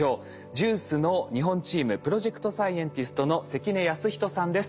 ＪＵＩＣＥの日本チームプロジェクトサイエンティストの関根康人さんです。